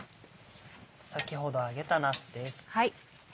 先ほど揚げたなすです。